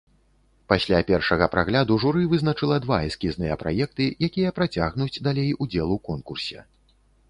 Пасля першага прагляду журы вызначыла два эскізныя праекты, якія працягнуць далей удзел у конкурсе.